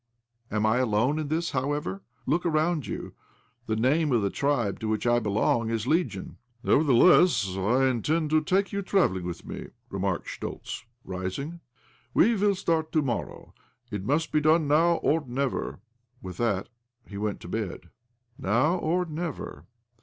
Am I 1 alone in this, however? Look around you. / The name of the tribe to which I belong 1 is legion." " Nevertheless, I intend to take you travel ling with me," remarked Schtoltz, rising'. "(We will start to morrow. It must be done now or never." With that he went to bed. " Now or never."